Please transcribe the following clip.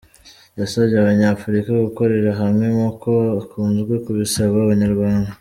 Yasabye Abanyafurika gukorera hamwe nk’ uko akunzwe kubisaba Abanyarwadna.